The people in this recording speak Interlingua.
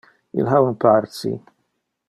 Il ha un par ci.